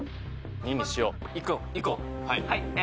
２にしよういこうええー！